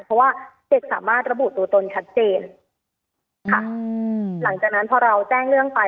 เพราะว่าเด็กสามารถระบุตัวตนชัดเจนค่ะอืมหลังจากนั้นพอเราแจ้งเรื่องไป